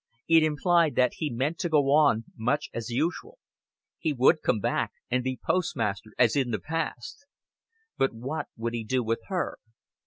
It implied that he meant to go on much as usual. He would come back, and be postmaster as in the past. But what would he do with her?